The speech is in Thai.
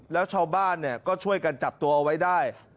แล้วชาวบ้านก็ช่วยกันจับตัวเอาไว้ได้